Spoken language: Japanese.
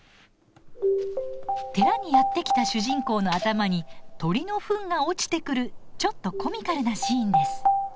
寺にやって来た主人公の頭に鳥のふんが落ちてくるちょっとコミカルなシーンです。